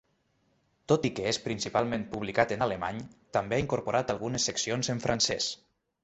Tot i que és principalment publicat en alemany, també ha incorporat algunes seccions en francès.